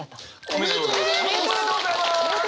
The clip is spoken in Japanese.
おめでとうございます。